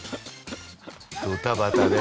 ドタバタね。